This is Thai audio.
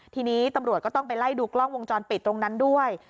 ทีนี้ตำรวจก็ต้องไปไล่ดูกล้องวงจรปิดตรงนั้นด้วย